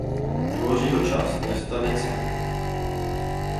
Tvoří ho část města Nice.